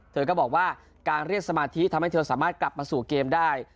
เธอก็บอกว่าการเรียกสมาธิทำให้เธอสามารถกลับมาสู่เกมได้